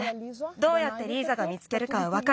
どうやってリーザが見つけるかわかるから。